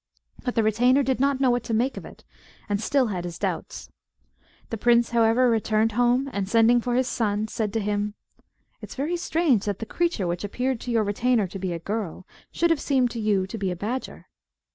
But the retainer did not know what to make of it, and still had his doubts. The prince, however, returned home, and sending for his son, said to him "It's very strange that the creature which appeared to your retainer to be a girl, should have seemed to you to be a badger."